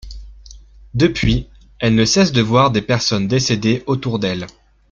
Depuis, elle ne cesse de voir des personnes décédées autour d'elle.